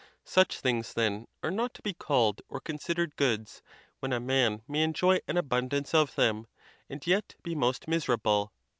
Such things, then, are not to be called or considered goods, when a man may enjoy an abundance of them, and yet be most miserable.